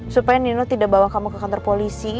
supaya nino tidak bawa kamu ke kantor polisi